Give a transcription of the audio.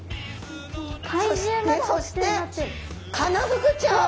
そしてそしてカナフグちゃん。